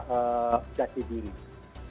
dan yang ketiga adalah masalah jalan